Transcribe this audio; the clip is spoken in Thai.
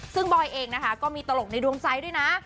ซึ่งบอยเองนะคะก็มีตลกในดวงใจด้วยนะ